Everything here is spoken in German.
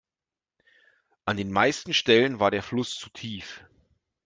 An den meisten Stellen war der Fluss zu tief.